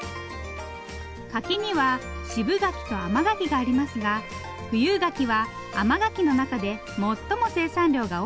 柿には渋柿と甘柿がありますが富有柿は甘柿の中で最も生産量が多い品種。